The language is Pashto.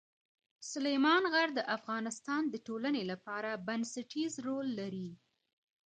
سلیمان غر د افغانستان د ټولنې لپاره بنسټيز رول لري.